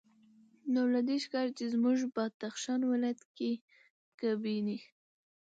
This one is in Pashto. نو له دې ښکاري چې زموږ بدخشان ولایت کې ګبیني